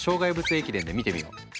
駅伝で見てみよう。